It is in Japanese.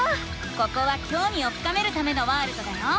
ここはきょうみを深めるためのワールドだよ。